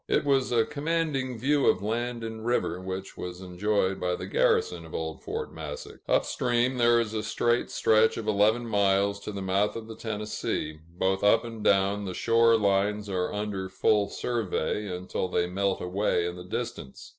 It was a commanding view of land and river, which was enjoyed by the garrison of old Fort Massac. Up stream, there is a straight stretch of eleven miles to the mouth of the Tennessee; both up and down, the shore lines are under full survey, until they melt away in the distance.